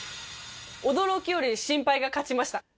驚きより心配が勝ちました。